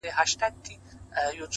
دا دی د مرګ _ و دایمي محبس ته ودرېدم _